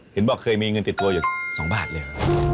เห็นปะว่าเคยมีเงินติดตัวอยู่๒บาทเลย